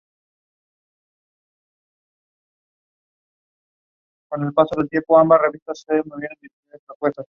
Posteriormente, el cargo de Alcalde fue abolido en tres ocasiones.